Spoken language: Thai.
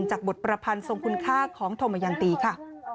จากบทประพันธ์ทรงคุณค่าของธมยันตีค่ะ